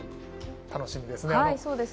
楽しみですね。